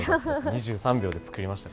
２３秒で作りました。